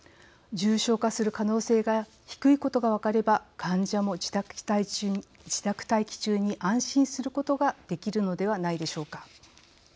重症化する可能性が低いことが分かれば患者も自宅待機中に安心することができるのではないでしょうか。